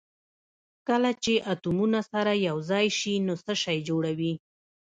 کله چې اتومونه سره یو ځای شي نو څه شی جوړوي